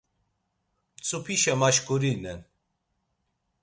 Mtzupişe maşǩurinen.